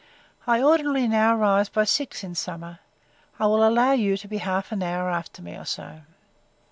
I ordinarily now rise by six in summer. I will allow you to be half an hour after me, or so.